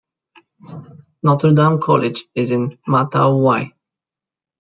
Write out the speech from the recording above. Notre Dame College is in Ma Tau Wai.